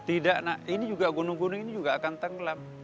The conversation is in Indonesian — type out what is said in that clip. ini juga gunung gunung ini juga akan tenggelam